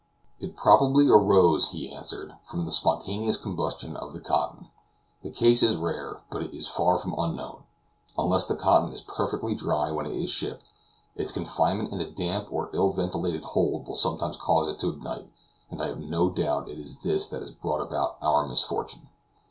"It probably arose," he answered, "from the spontaneous combustion of the cotton. The case is rare, but it is far from unknown. Unless the cotton is perfectly dry when it is shipped, its confinement in a damp or ill ventilated hold will sometimes cause it to ignite; and I have no doubt it is this that has brought about our misfortune."